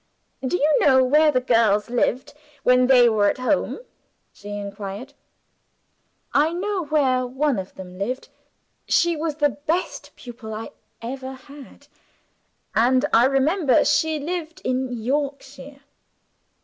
"Do you know where the girls lived when they were at home?" she inquired. "I know where one of them lived. She was the best pupil I ever had and I remember she lived in Yorkshire."